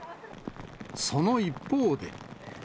その一方で。